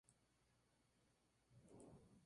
A sus pies se localizaba la localidad y la vega.